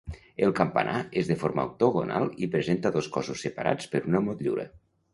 El campanar és de forma octogonal i presenta dos cossos separats per una motllura.